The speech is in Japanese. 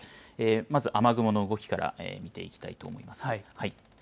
まず雨雲の動きから見ていきたいと思います。